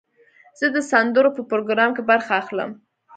زه د سندرو په پروګرام کې برخه اخلم.